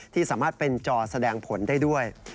ที่สามารถเป็นจอแสดงผลได้ด้วย